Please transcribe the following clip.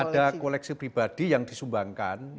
ada koleksi pribadi yang disumbangkan